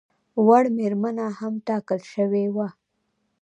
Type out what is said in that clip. وړ مېرمنه هم ټاکل شوې وه.